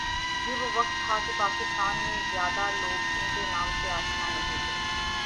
یہ وہ وقت تھا کہ پاکستان میں زیادہ لوگ ان کے نام سے آشنا نہیں تھے